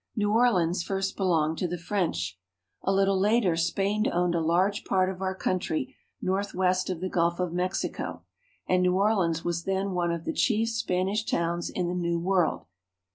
New Orleans first belonged to the French. A little later Spain owned a large part of our country northwest of the Gulf of Mexico, and New Orleans was then one of the chief Spanish towns in the New World.